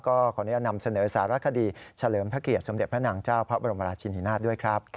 ขออนุญาตนำเสนอสารคดีเฉลิมพระเกียรติสมเด็จพระนางเจ้าพระบรมราชินินาศด้วยครับ